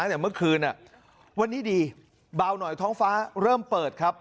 แต่เมื่อคืนวันนี้ดีเบาหน่อยท้องฟ้าเริ่มเปิดครับ